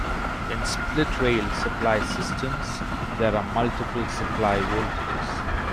In "split rail" supply systems there are multiple supply voltages.